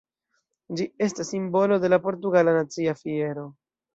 Ĝi estas simbolo de la portugala nacia fiero.